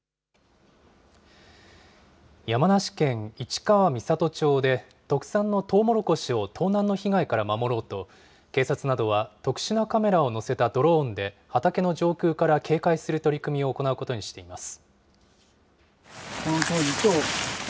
山梨県市川三郷町で、特産のとうもろこしを盗難の被害から守ろうと、警察などは特殊なカメラを載せたドローンで、畑の上空から警戒する取り組みを行うことにしています。